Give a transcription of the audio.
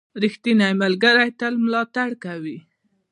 • ریښتینی ملګری تل ملاتړ کوي.